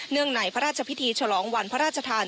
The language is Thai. ในพระราชพิธีฉลองวันพระราชทาน